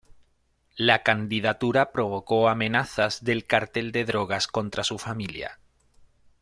La candidatura provocó amenazas del cartel de drogas contra su familia.